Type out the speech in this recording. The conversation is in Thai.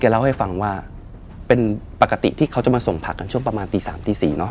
เล่าให้ฟังว่าเป็นปกติที่เขาจะมาส่งผักกันช่วงประมาณตี๓ตี๔เนอ